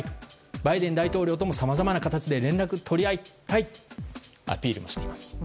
バイデン大統領ともさまざまな形で連絡を取り合いたいとアピールもしています。